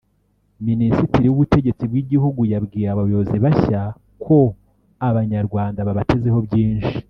Minisitiri w’Ubutegetsi bw’Igihugu yabwiye abayobozi bashya ko Abanyarwanda babatezeho byinshi